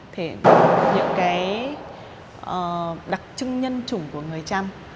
thì những cái đặc trưng nhân chủng của người trăm